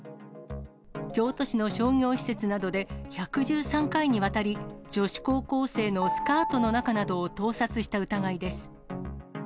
京都市の商業施設などで、１１３回にわたり、女子高校生のスカートの中などを盗撮した疑いです。